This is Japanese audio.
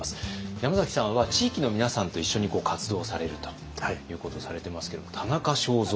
山崎さんは地域の皆さんと一緒に活動されるということをされてますけど田中正造